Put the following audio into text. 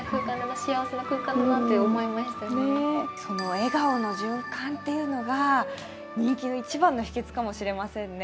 笑顔の循環っていうのが人気の一番の秘けつかもしれませんね。